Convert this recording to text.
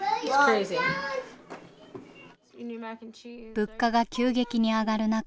物価が急激に上がる中